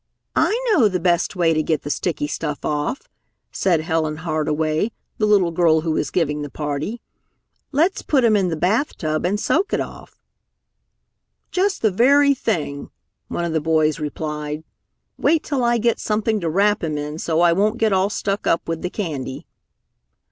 "I know the best way to get the sticky stuff off," said Helen Hardway, the little girl who was giving the party. "Let's put him in the bath tub and soak it off." "Just the very thing!" one of the boys replied. "Wait till I get something to wrap him in so I won't get all stuck up with the candy."